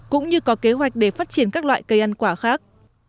cũng như có kế hoạch để phát triển các loại cây ăn quả khác